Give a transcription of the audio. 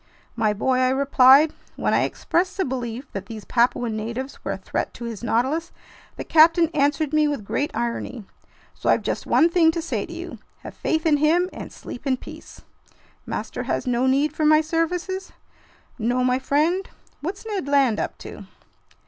"My boy," I replied, "when I expressed the belief that these Papuan natives were a threat to his Nautilus, the captain answered me with great irony. So I've just one thing to say to you: have faith in him and sleep in peace." "Master has no need for my services?" "No, my friend. What's Ned Land up to?"